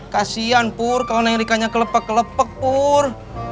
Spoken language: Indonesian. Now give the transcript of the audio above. kasian pur kalau neng rika nya kelepek kelepek pur